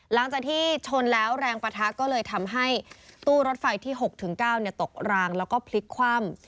หลังจากที่ชนแล้วแรงปะทะก็เลยทำให้ตู้รถไฟที่๖๙ตกรางแล้วก็พลิกคว่ำ